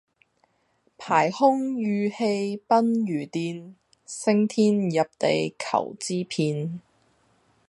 排空馭氣奔如電，升天入地求之遍。